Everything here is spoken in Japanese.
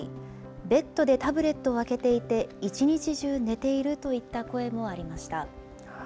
ベッドでタブレットを開けていて、一日中寝ているといった声もありました。